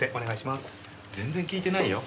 全然聞いてないよ。